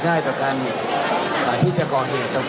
ง่ายเท่าการที่จะก่อเหตุต่าง